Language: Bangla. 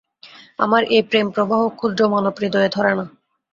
আমার এ প্রেম-প্রবাহ ক্ষুদ্র মানব-হৃদয়ে ধরে না।